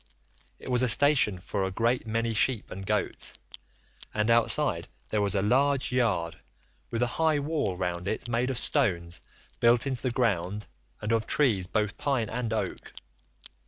It was a station for a great many sheep and goats, and outside there was a large yard, with a high wall round it made of stones built into the ground and of trees both pine and oak.